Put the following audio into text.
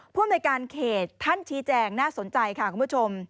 อำนวยการเขตท่านชี้แจงน่าสนใจค่ะคุณผู้ชม